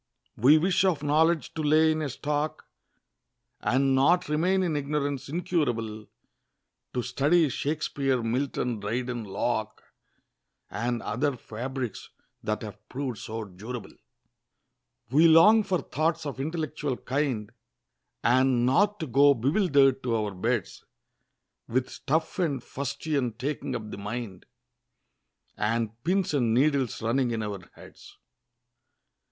We wish of knowledge to lay in a stock, And not remain in ignorance incurable; To study Shakspeare, Milton, Dryden, Locke, And other fabrics that have proved so durable. We long for thoughts of intellectual kind, And not to go bewilder'd to our beds; With stuff and fustian taking up the mind, And pins and needles running in our heads!